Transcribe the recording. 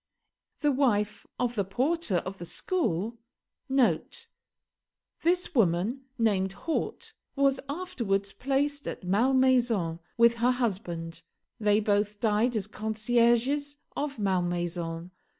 The wife of the porter of the school, [This woman, named Haute, was afterwards placed at Malmaison, with her husband. They both died as concierges of Malmaison.